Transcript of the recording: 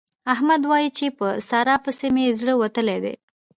احمد وايي چې په سارا پسې مې زړه وتلی دی.